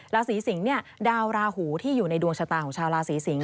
ราศีสิงศ์เนี่ยดาวราหูที่อยู่ในดวงชะตาของชาวราศีสิงศ